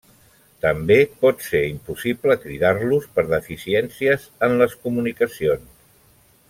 També pot ser impossible cridar-los per deficiències en les comunicacions.